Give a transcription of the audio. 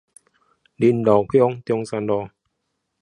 麟洛鄉中山路